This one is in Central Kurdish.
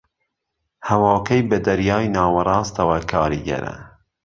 ھەواکەی بە دەریای ناوەڕاستەوە کاریگەرە